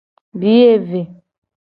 Biye ve.